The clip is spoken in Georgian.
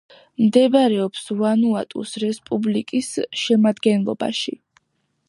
მდებარეობს ვანუატუს რესპუბლიკის შემადგენლობაში.